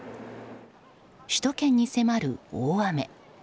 首都圏に迫る大雨。